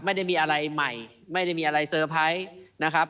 ไม่ได้มีอะไรใหม่ไม่ได้มีอะไรเซอร์ไพรส์นะครับ